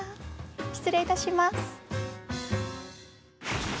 失礼いたします。